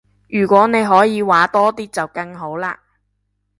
如果你可以搲多啲就更好啦